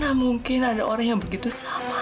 mana mungkin ada orang yang begitu sama